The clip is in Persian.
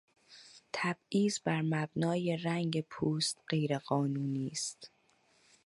تبعیض برمبنای رنگ پوست غیر قانونی است.